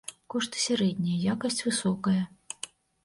Кошты сярэднія, якасць высокая.